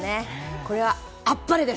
これは、あっぱれ！です。